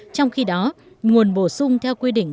trong khi đó nguồn bổ sung theo quy định